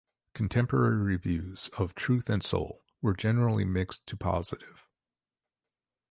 Contemporary reviews of "Truth and Soul" were generally mixed to positive.